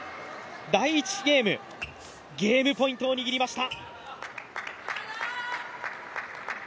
第１ゲームゲームポイントを握りました。